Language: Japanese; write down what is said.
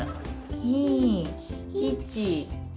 ２１。